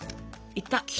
いった！